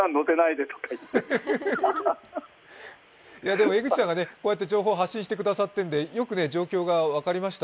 でも、江口さんが情報を発信してくださっているのでよく状況が分かりました。